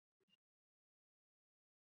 挪亚无疑从父亲那里知道不少事情。